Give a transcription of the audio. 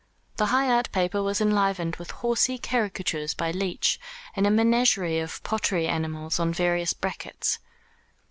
The high art paper was enlivened with horsey caricatures by Leech, and a menagerie of pottery animals on various brackets.